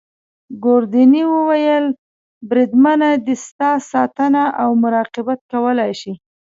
ګوردیني وویل: بریدمنه دی ستا ساتنه او مراقبت کولای شي.